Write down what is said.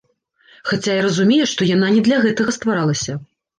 Хаця і разумее, што яна не для гэтага стваралася.